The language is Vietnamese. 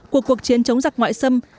của cuộc chiến chống giặc ngoại xâm